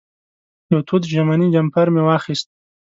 یو تود ژمنی جمپر مې واخېست.